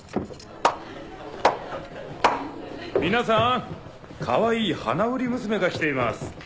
皆さんかわいい花売り娘が来ています。